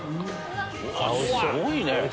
すごいね。